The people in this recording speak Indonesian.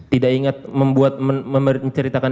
tidak ingat membuat menceritakan